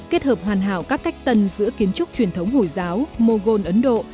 kết hợp hoàn hảo các cách tần giữa kiến trúc truyền thống hồi giáo mughol ấn độ